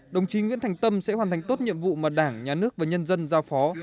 đồng chí nguyễn thành tâm sẽ hoàn thành tốt nhiệm vụ mà đảng nhà nước và nhân dân giao phó